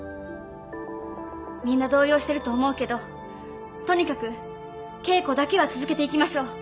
みんな動揺してると思うけどとにかく稽古だけは続けていきましょう。